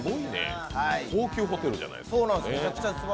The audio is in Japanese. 高級ホテルじゃないですか。